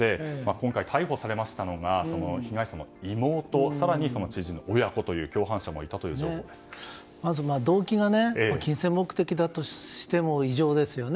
今回逮捕されましたのが被害者の妹更にその知人親子というまず動機が金銭目的だとしても異常ですよね。